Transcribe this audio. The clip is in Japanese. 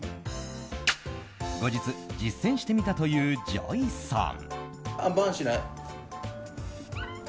後日、実践してみたというＪＯＹさん。